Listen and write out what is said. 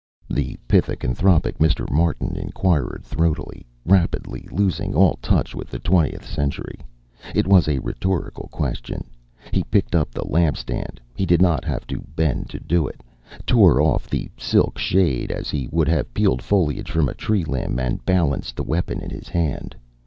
the pithecanthropic Mr. Martin inquired throatily, rapidly losing all touch with the twentieth century. It was a rhetorical question. He picked up the lamp standard he did not have to bend to do it tore off the silk shade as he would have peeled foliage from a tree limb, and balanced the weapon in his hand.